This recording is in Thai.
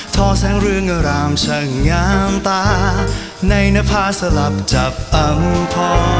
ท่อแสงเรืองรามช่างงามตาในนภาสลับจับตำพอ